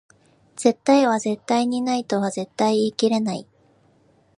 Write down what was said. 絶対は絶対にないとは絶対言い切れない